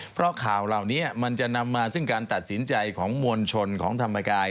เพราะข่าวเหล่านี้มันจะนำมาซึ่งการตัดสินใจของมวลชนของธรรมกาย